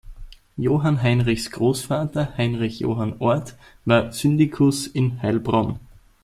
Johann Heinrichs Großvater Heinrich Johann Orth war Syndikus in Heilbronn.